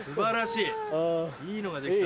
いいのが出来た。